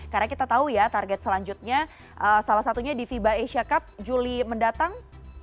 karena kita tahu ya target selanjutnya salah satunya di fiba asia cup juli mendatang